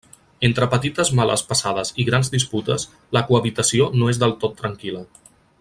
Entre petites males passades i grans disputes, la cohabitació no és del tot tranquil·la.